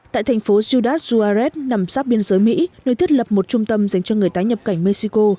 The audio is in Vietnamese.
tại thành phố ciudad juarez nằm sắp biên giới mỹ nơi thiết lập một trung tâm dành cho người tái nhập cảnh mexico